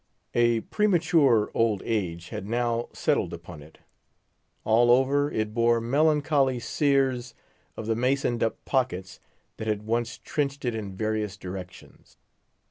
A premature old age had now settled upon it; all over it bore melancholy sears of the masoned up pockets that had once trenched it in various directions.